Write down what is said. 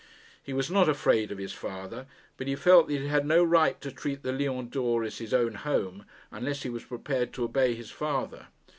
He was not afraid of his father; but he felt that he had no right to treat the Lion d'Or as his own home unless he was prepared to obey his father.